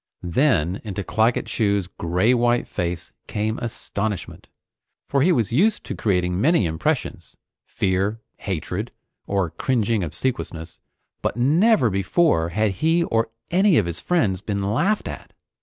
Then into Claggett Chew's gray white face came astonishment, for he was used to creating many impressions fear, hatred, or cringing obsequiousness but never before had he or any of his friends been laughed at.